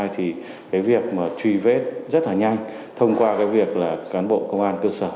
thì cái việc mà truy vết rất là nhanh thông qua cái việc là cán bộ công an cơ sở